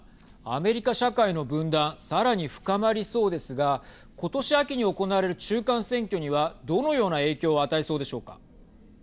アメリカ社会の分断さらに深まりそうですがことし秋に行われる中間選挙にはどのような影響を与えそうでしょうか。